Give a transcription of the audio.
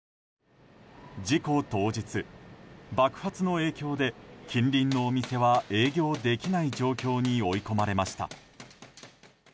事故当日、爆発の影響で近隣のお店は営業できない状況に追い込まれました。